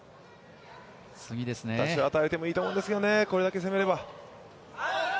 私は与えてもいいと思うんですよね、これだけ攻めれば。